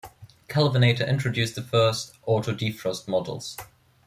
Kelvinator introduced the first auto-defrost models.